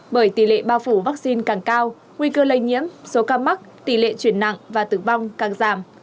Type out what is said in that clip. bởi tỷ lệ bao phủ vaccine càng cao nguy cơ lây nhiễm số ca mắc tỷ lệ chuyển nặng và tử vong càng giảm